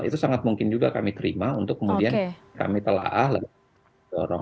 itu sangat mungkin juga kami terima untuk kemudian kami telah dorong